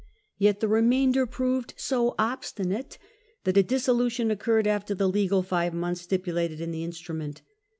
Yet the remainder proved so obstinate that a dissolution occurred after the legal five months stipulated in the " Instrument